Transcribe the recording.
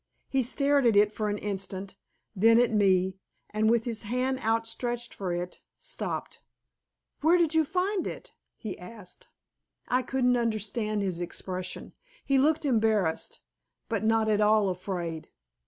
He stared at it for an instant, then at me, and with his hand outstretched for it, stopped. "Where did you find it?" he asked. I couldn't understand his expression. He looked embarrassed, but not at all afraid.